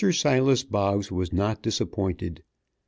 Silas Boggs was not disappointed.